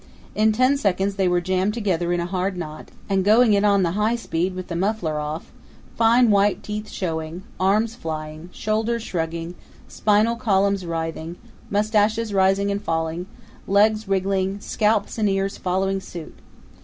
In ten seconds they were jammed together in a hard knot, and going it on the high speed with the muffler off, fine white teeth shining, arms flying, shoulders shrugging, spinal columns writhing, mustaches rising and falling, legs wriggling, scalps and ears following suit.